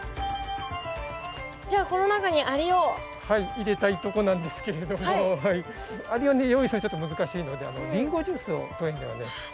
入れたいとこなんですけれどもアリを用意するのはちょっと難しいのでリンゴジュースを当園ではね。